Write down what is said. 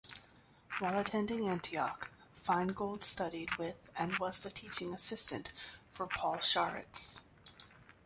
While attending Antioch, Feingold studied with and was the Teaching Assistant for Paul Sharits.